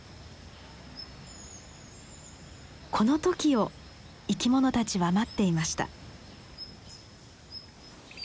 この時を生き物たちは待っていました。